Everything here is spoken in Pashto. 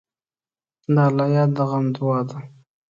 د الله یاد د غم دوا ده.